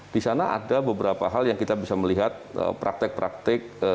di sana ada beberapa hal yang kita bisa melihat praktek praktek